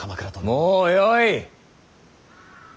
もうよい。